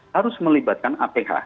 harus melibatkan aph